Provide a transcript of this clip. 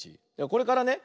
これからね